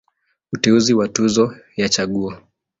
Uteuzi wa Tuzo ya Chaguo.